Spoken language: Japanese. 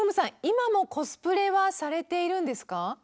今もコスプレはされているんですか？